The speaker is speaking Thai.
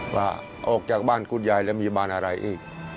ว่าออกจากบ้านคุณยายแล้วมีบ้านอะไรอีก